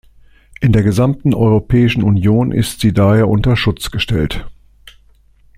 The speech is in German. In der gesamten Europäischen Union ist sie daher unter Schutz gestellt.